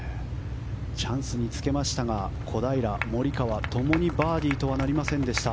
チャンスにつけましたが小平、モリカワ共にバーディーとはなりません。